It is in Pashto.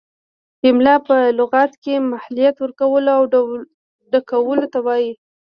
املاء په لغت کې مهلت ورکولو او ډکولو ته وايي.